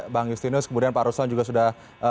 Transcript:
bang justinus kemudian pak ruslan juga sudah